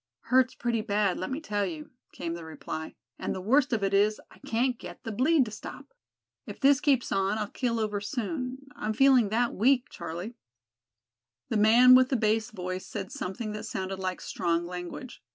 "Hurts pretty bad, let me tell you," came the reply; "and the worst of it is, I can't get the bleed to stop. If this keeps on, I'll keel over soon; I'm feeling that weak, Charlie." The man with the bass voice said something that sounded like strong language.